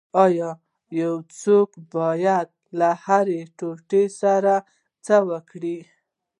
ایا یو څوک باید له هرې ټوټې سره څه وکړي